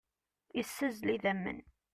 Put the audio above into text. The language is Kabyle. Issazzel idammen.